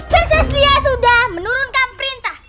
prinses lia sudah menurunkan perintah